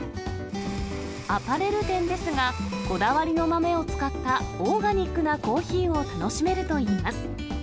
アパレル店ですが、こだわりの豆を使ったオーガニックなコーヒーを楽しめるといいます。